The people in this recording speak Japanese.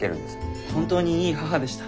本当にいい母でした。